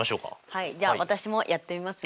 はいじゃあ私もやってみますね。